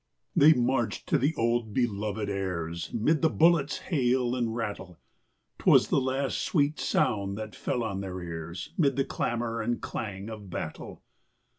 They marched to the old belovèd airs 'Mid the bullets' hail and rattle; 'Twas the last sweet sound that fell on their ears 'Mid the clamor and clang of battle.